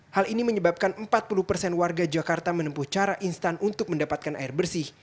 hal ini menyebabkan empat puluh persen warga jakarta menempuh cara instan untuk mendapatkan air bersih